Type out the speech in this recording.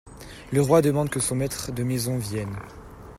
Le roi demande que son maître de maison vienne.